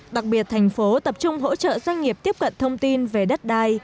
đặc biệt thành phố tập trung hỗ trợ doanh nghiệp tiếp cận thông tin về đất đai